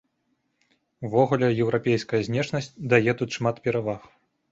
Увогуле, еўрапейская знешнасць дае тут шмат пераваг.